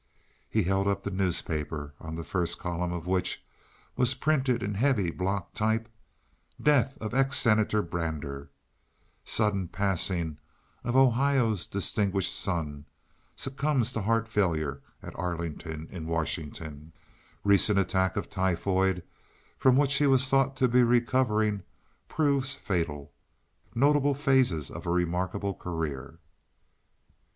He held up the newspaper, on the first column of Which was printed in heavy block type: DEATH OF EX SENATOR BRANDER Sudden Passing of Ohio's Distinguished Son. Succumbs to Heart Failure at the Arlington, in Washington. Recent attack of typhoid, from which he was thought to be recovering, proves fatal. Notable phases of a remarkable career.